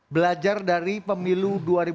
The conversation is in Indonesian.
belajar dari pemilu dua ribu sembilan belas